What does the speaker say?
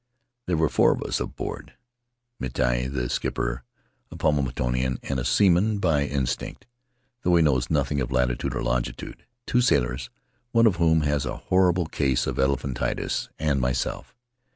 There were four of us aboard — Miti the skipper, a Paumotuan and a seaman by instinct, though he knows nothing of latitude or longitude; two sailors, one of whom has a horrible case of elephantiasis; and myself.